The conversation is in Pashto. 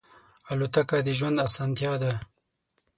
الوتکه د ژوند آسانتیا ده.